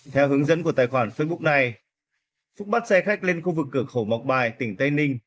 theo hướng dẫn của tài khoản facebook này phúc bắt xe khách lên khu vực cửa khẩu mọc bài tỉnh tây ninh